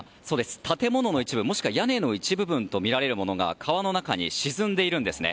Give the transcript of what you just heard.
建物の一部もしくは屋根の一部分とみられるものが川の中に沈んでいるんですね。